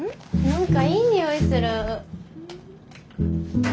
何かいい匂いする。